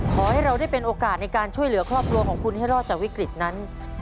ขอให้เราได้เป็นโอกาสในการช่วยเหลือครอบครัวของคุณให้รอดจากวิกฤตนั้น